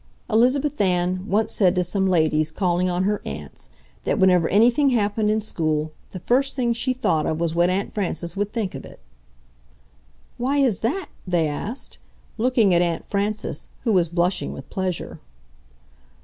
Elizabeth Ann once said to some ladies calling on her aunts that whenever anything happened in school, the first thing she thought of was what Aunt Frances would think of it. "Why is that?" they asked, looking at Aunt Frances, who was blushing with pleasure.